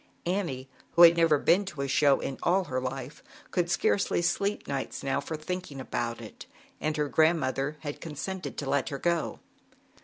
Annie, who had never been to a show all her life, could scarcely sleep nights ZAUBERLINDA, THE WISE WITCH. 73 now for thinking about it, and her grandmother had consented to let her go.